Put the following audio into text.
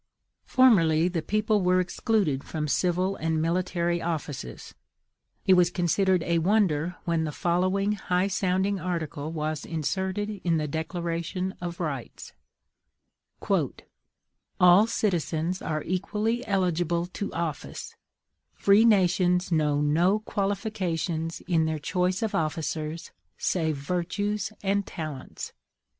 Formerly the people were excluded from civil and military offices; it was considered a wonder when the following high sounding article was inserted in the Declaration of Rights: "All citizens are equally eligible to office; free nations know no qualifications in their choice of officers save virtues and talents."